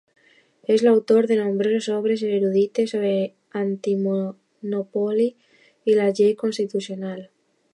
És l'autor de nombroses obres erudites sobre l'antimonopoli i la llei constitucional.